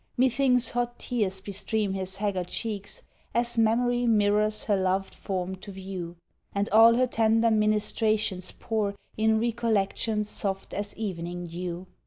Methinks hot tears bestream his haggard cheeks As memory mirrors her loved form to view, And all her tender ministrations pour In recollections soft as evening dew.